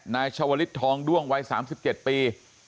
นายชาวลิศทองด้วงวัย๓๗ปี